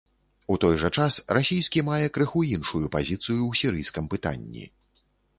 У той жа час расійскі мае крыху іншую пазіцыю ў сірыйскім пытанні.